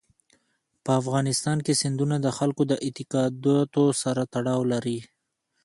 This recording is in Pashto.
په افغانستان کې سیندونه د خلکو د اعتقاداتو سره تړاو لري.